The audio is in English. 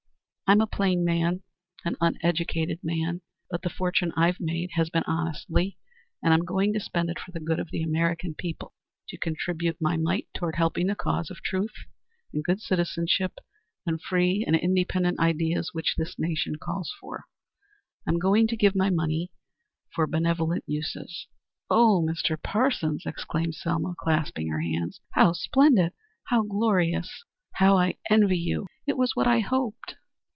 I'm a plain man, an uneducated man, but the fortune I've made has been made honestly, and I'm going to spend it for the good of the American people to contribute my mite toward helping the cause of truth and good citizenship and free and independent ideas which this nation calls for. I'm going to give my money for benevolent uses." "Oh, Mr. Parsons," exclaimed Selma, clasping her hands, "how splendid! how glorious! How I envy you. It was what I hoped."